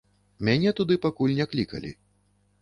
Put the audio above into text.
Мяне туды пакуль не клікалі.